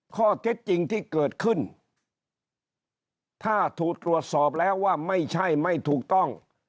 ข้อเท็จจริงที่เกิดขึ้นถ้าถูกตรวจสอบแล้วว่าไม่ใช่ไม่ถูกต้อง